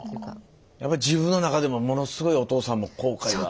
やっぱり自分の中でもものすごいお父さんも後悔が。